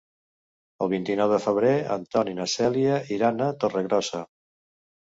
El vint-i-nou de febrer en Ton i na Cèlia iran a Torregrossa.